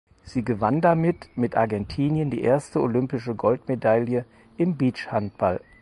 Sie gewann damit mit Argentinien die erste olympische Goldmedaille im Beachhandball.